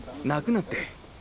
泣くなって。